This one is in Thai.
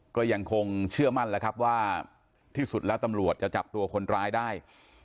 ก็ยังคงเชื่อมั่นแล้วครับว่าที่สุดแล้วตำรวจจะจับตัวคนร้ายได้